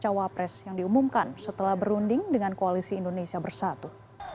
cawapres yang diumumkan setelah berunding dengan koalisi indonesia bersatu